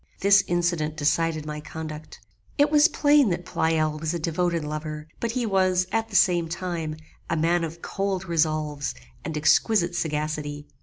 This incident decided my conduct. It was plain that Pleyel was a devoted lover, but he was, at the same time, a man of cold resolves and exquisite sagacity.